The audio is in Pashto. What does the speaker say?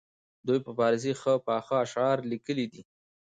دوی په فارسي ښه پاخه اشعار لیکلي دي.